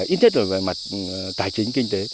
ít nhất là về mặt tài chính kinh tế